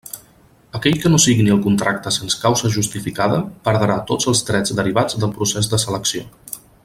Aquell que no signi el contracte sense causa justificada, perdrà tots els drets derivats del procés de selecció.